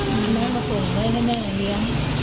เอาน้องมาปลูกไว้ให้แม่เลี้ยง